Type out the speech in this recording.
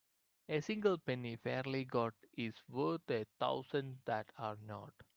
A single penny fairly got is worth a thousand that are not.